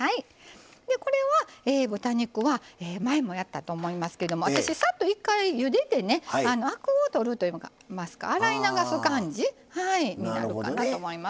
これは豚肉は前もやったと思いますけども私さっと一回ゆでてねアクを取るといいますか洗い流す感じになるかなと思います。